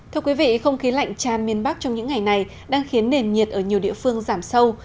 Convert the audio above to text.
thưa quý vị không khí lạnh tràn miền bắc trong những ngày này đang khiến nền nhiệt ở nhiều địa phương giảm sâu